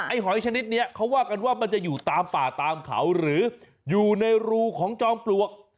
หอยชนิดนี้เขาว่ากันว่ามันจะอยู่ตามป่าตามเขาหรืออยู่ในรูของจอมปลวก